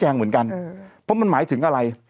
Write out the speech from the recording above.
เหมือนกันเพราะมันหมายถึงอะไร